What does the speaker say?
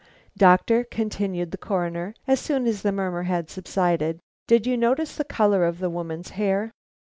"Doctor," continued the Coroner, as soon as the murmur had subsided, "did you notice the color of the woman's hair?"